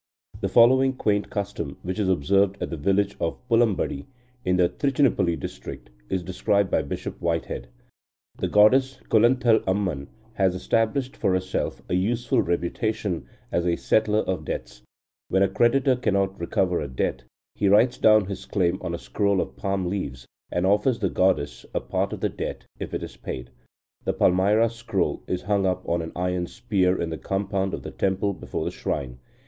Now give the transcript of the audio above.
The following quaint custom, which is observed at the village of Pullambadi in the Trichinopoly district, is described by Bishop Whitehead. "The goddess Kulanthal Amman has established for herself a useful reputation as a settler of debts. When a creditor cannot recover a debt, he writes down his claim on a scroll of palm leaves, and offers the goddess a part of the debt, if it is paid. The palmyra scroll is hung up on an iron spear in the compound of the temple before the shrine.